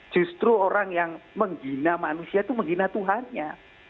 justru orang yang menghina manusia itu menghina tuhannya